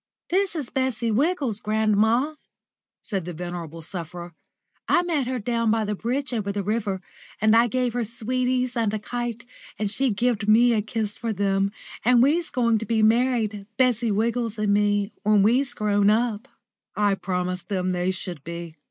"This is Bessie Wiggles, grandma," said the venerable sufferer; "I met her down by the bridge over the river, and I gave her sweeties and a kite, and she gived me a kiss for them, and we's going to be married, Bessie Wiggles and me, when we's grown up." I promised them they should be.